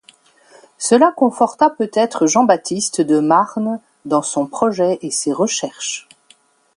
Cela conforta peut-être Jean-Baptiste de Marne dans son projet et ses recherches.